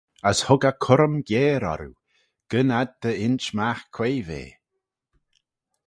As hug eh currym gyere orroo, gyn ad dy insh magh quoi v'eh.